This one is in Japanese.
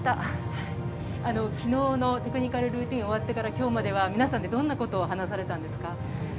昨日のテクニカルルーティンが終わってから、皆さんでどんなことを話されたんですか？